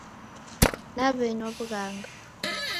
Naw'enywa w'ughanga.